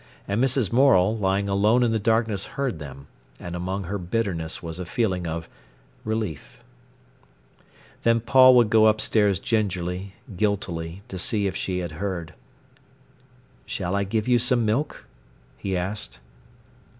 And Mrs. Morel, lying alone in the darkness heard them, and among her bitterness was a feeling of relief. Then Paul would go upstairs gingerly, guiltily, to see if she had heard. "Shall I give you some milk?" he asked.